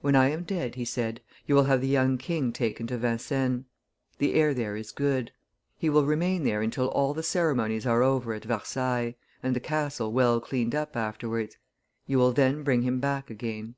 "When I am dead," he said, "you will have the young king taken to Vincennes; the air there is good; he will remain there until all the ceremonies are over at Versailles, and the castle well cleaned afterwards; you will then bring him back again."